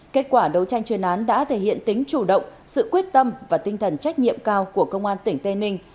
kết quả đấu tranh chuyên án đã thể hiện tính chủ động sự quyết tâm và tinh thần trách nhiệm cao của công an tp hcm